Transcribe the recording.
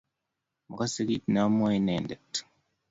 Mekase kiit ne amwai anendet